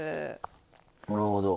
なるほど。